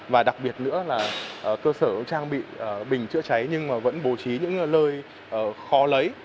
và đặc biệt nữa là cơ sở trang bị bình chữa cháy nhưng mà vẫn bố trí những lơi khó lấy